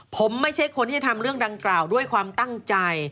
ผมไม่ใช่คนที่จะทำเรื่องดังกล่าวด้วยความตั้งใจ